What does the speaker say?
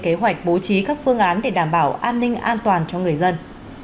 kế hoạch bố trí các phương án để đảm bảo an ninh an toàn cho người dân